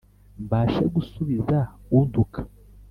mbashe gusubiza untuka